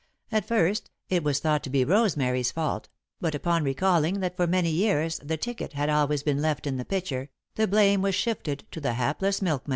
At first, it was thought to be Rosemary's fault, but upon recalling that for many years the ticket had always been left in the pitcher, the blame was shifted to the hapless milkman.